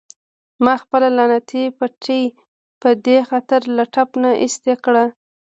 ما خپله لعنتي پټۍ په دې خاطر له ټپ نه ایسته کړه.